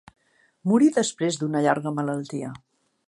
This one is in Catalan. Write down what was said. Morí després d'una llarga malaltia.